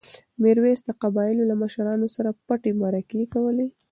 میرویس د قبایلو له مشرانو سره پټې مرکې کولې.